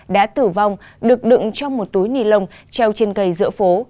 đã tử vong được đựng trong một túi nilon treo trên cây giữa phố